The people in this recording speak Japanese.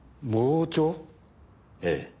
ええ。